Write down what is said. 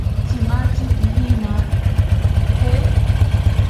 Tsimatzi pijina? ¿je?